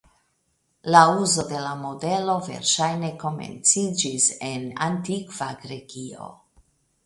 La uzo de la modelo verŝajne komenciĝis en antikva Grekio.